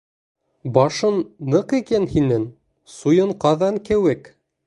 Башың ныҡ икән һинең, суйын ҡаҙан кеүек...